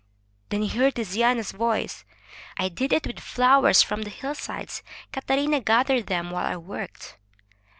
Then he heard Tiziano's voice: "I did it with flowers from the hillsides. Cata rina gathered them while I worked."